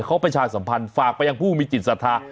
เขาประชาสัมพันธ์ฝากไปยังผู้มีจิตศรัทธา